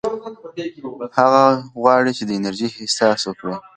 هغه غواړي چې د انرژۍ احساس وکړي.